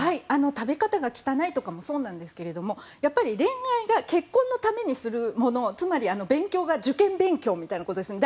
食べ方が汚いとかもそうなんですけれども恋愛が結婚のためにするものつまり、勉強が受験勉強みたいなことですね。